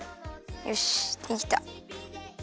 よしできた。